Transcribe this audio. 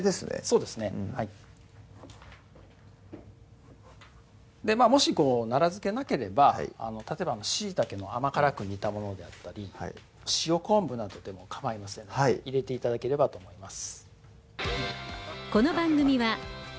そうですねもし奈良漬けなければ例えばしいたけの甘辛く煮たものであったり塩昆布などでもかまいませんので入れて頂ければと思います